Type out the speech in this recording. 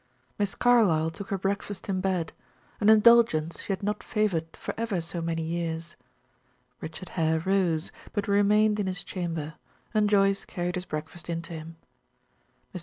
Miss Carlyle took her breakfast in bed, an indulgence she had not favored for ever so many years. Richard Hare rose, but remained in his chamber, and Joyce carried his breakfast in to him. Mr.